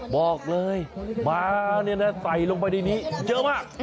บอกเลยม้าใส่ลงไปในนี้เยอะมาก